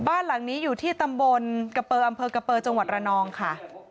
บ้านหลังนี้อยู่ที่ตำบลกะเปอร์อำเภอกะเปอร์จังหวัดระนองค่ะ